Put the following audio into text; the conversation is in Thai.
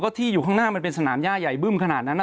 ที่อยู่ข้างหน้ามันเป็นสนามย่าใหญ่บึ้มขนาดนั้น